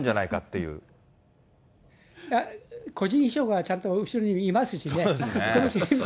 いや、個人秘書がちゃんと後ろにいますしね。